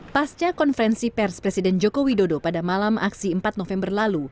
pasca konferensi pers presiden joko widodo pada malam aksi empat november lalu